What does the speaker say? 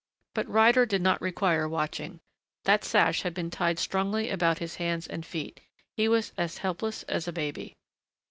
But Ryder did not require watching. That sash had been tied strongly about his hands and feet. He was as helpless as a baby.